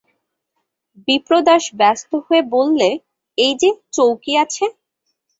বিপ্রদাস ব্যস্ত হয়ে বললে, এই যে চৌকি আছে।